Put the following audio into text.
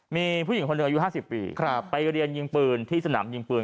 มีผู้หญิงคนหนึ่งอายุ๕๐ปีไปเรียนยิงปืนที่สนามยิงปืน